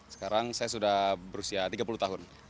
sekarang saya sudah berusia tiga puluh tahun